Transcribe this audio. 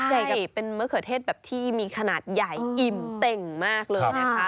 ใหญ่ดิเป็นมะเขือเทศแบบที่มีขนาดใหญ่อิ่มเต่งมากเลยนะคะ